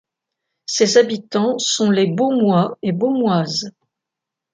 Ses habitants sont les Baumois et Baumoises.